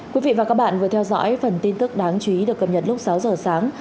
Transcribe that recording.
quý vị và các bạn vừa theo dõi phần tin tức đáng chú ý được cập nhật lúc sáu giờ sáng